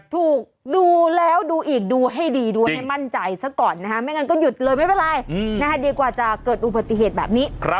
ถูกดูแล้วดูอีกดูให้ดีดูให้มั่นใจซะก่อนนะฮะไม่งั้นก็หยุดเลยไม่เป็นไรดีกว่าจะเกิดอุบัติเหตุแบบนี้